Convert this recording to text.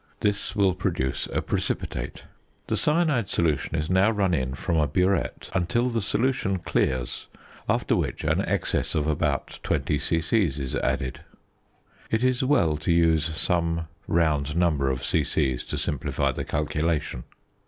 This will produce a precipitate. The cyanide solution is now run in from a burette until the solution clears, after which an excess of about 20 c.c. is added. It is well to use some round number of c.c. to simplify the calculation.